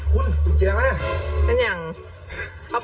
คุณคุณแจะมาก